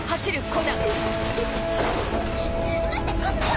待ってこっちよ！